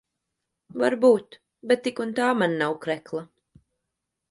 Varbūt. Bet tik un tā man nav krekla.